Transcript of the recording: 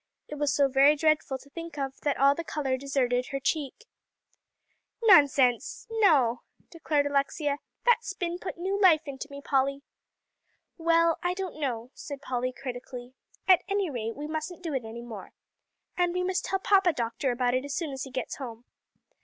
It was so very dreadful to think of, that all the color deserted her cheek. "Nonsense, no!" declared Alexia, "that spin put new life into me, Polly." "Well, I don't know," said Polly critically; "at any rate, we mustn't do it any more. And we must tell Papa Doctor about it as soon as he gets home."